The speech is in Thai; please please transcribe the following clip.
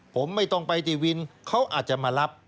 ผมไม่ต้องไปที่วินเขาอาจจะมารับ